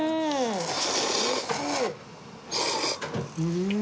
うん！